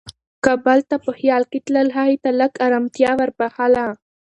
کابل ته په خیال کې تلل هغې ته لږ ارامتیا وربښله.